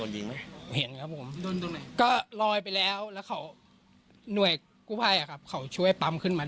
๓๒๖นหนูได้เห็นตรภาพจรุ่มน้อง